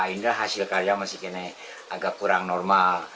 hingga hasil karya masih agak kurang normal